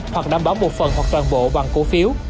hoặc đảm bảo một phần hoặc toàn bộ bằng cổ phiếu